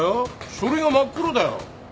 書類が真っ黒だよ。